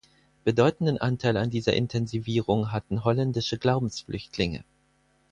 Bedeutenden Anteil an dieser Intensivierung hatten holländische Glaubensflüchtlinge.